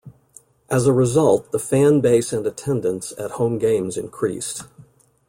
As a result, the fan base and attendance at home games increased.